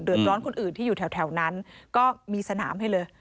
ร้อนคนอื่นที่อยู่แถวนั้นก็มีสนามให้เลย